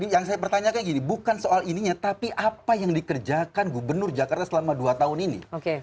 yang saya pertanyakan gini bukan soal ininya tapi apa yang dikerjakan gubernur jakarta selama dua tahun ini